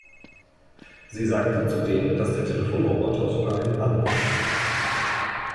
Sie sagte zudem, dass der Telefonroboter sogar einen Namen hat.